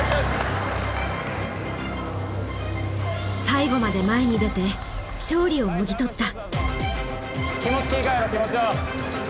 最後まで前に出て勝利をもぎ取った。